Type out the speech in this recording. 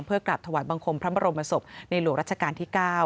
เพื่อกลับถวายบังคมพระบรมศพในหลวงรัชกาลที่๙